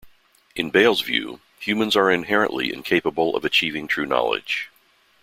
In Bayle's view, humans are inherently incapable of achieving true knowledge.